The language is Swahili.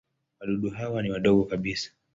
Wadudu hawa ni wadogo kabisa.